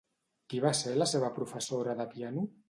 Qui va ser la seva professora de piano?